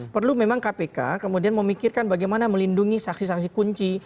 perlu memang kpk kemudian memikirkan bagaimana melindungi saksi saksi kunci